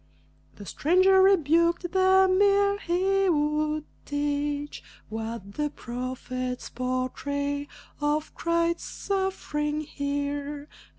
The stranger rebuked them ere he would teach What the prophets portray of Christ's sufferings here.